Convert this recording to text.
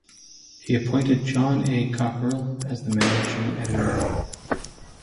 He appointed John A. Cockerill as the managing editor.